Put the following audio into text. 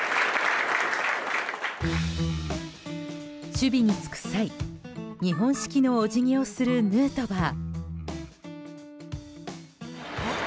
守備に就く際、日本式のお辞儀をするヌートバー。